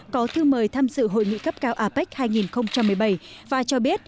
có thư mời tham dự hội nghị cấp cao apec hai nghìn một mươi bảy và cho biết